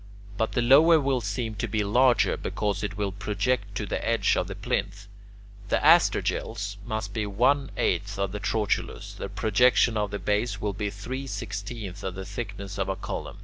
But the lower will seem to be larger, because it will project to the edge of the plinth. The astragals must be one eighth of the trochilus. The projection of the base will be three sixteenths of the thickness of a column.